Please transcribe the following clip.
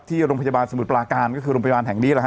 ที่โรงพยาบาลสมุทรปลาการก็คือโรงพยาบาลแห่งนี้แหละฮ